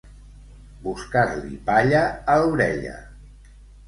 Buscar-li palla a l'orella.